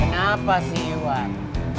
kenapa sih iwan